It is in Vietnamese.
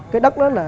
cái đất đó là